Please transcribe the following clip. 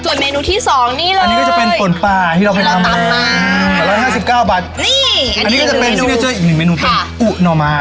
ส่วนเมนูที่สองนี่เลยอันนี้ก็จะเป็นผ่นปลาที่เราไปทำมา